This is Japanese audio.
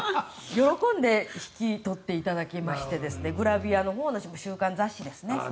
喜んで引き取っていただきましてグラビアのほうの週刊雑誌ですね。